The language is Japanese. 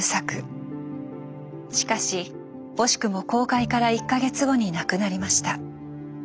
しかし惜しくも公開から１か月後に亡くなりました。